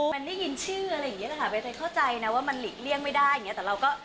มันได้ยินชื่ออะไรอย่างนี้นะคะ